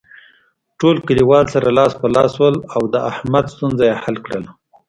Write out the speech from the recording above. ټول کلیوال سره لاس په لاس شول او د احمد ستونزه یې حل کړله.